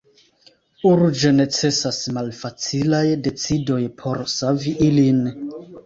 Urĝe necesas malfacilaj decidoj por savi ilin.